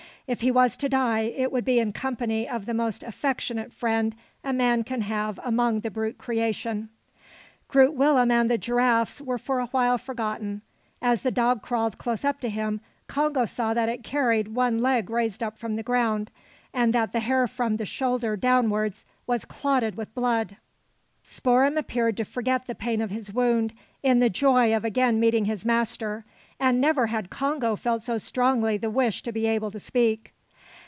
If he was to die, it would be in company of the most affectionate friend a man can have among the brute creation. Groot Willem and the giraffes were for a while forgotten. As the dog crawled close up to him, Congo saw that it carried one leg raised up from the ground, and that the hair from the shoulder downwards was clotted with blood. Spoor'em appeared to forget the pain of his wound, in the joy of again meeting his master, and never had Congo felt so strongly the wish to be able to speak.